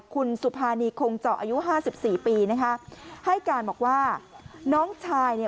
คุณสุภานีคงเจาะอายุห้าสิบสี่ปีนะคะให้การบอกว่าน้องชายเนี่ย